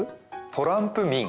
トランプ民。